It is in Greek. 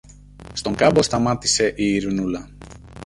Στον κάμπο σταμάτησε η Ειρηνούλα.